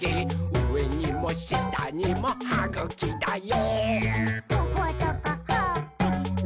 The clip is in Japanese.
うえにもしたにもはぐきだよ！」